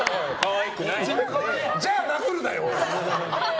じゃあ殴るなよ！